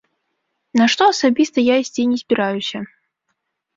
На што асабіста я ісці не збіраюся.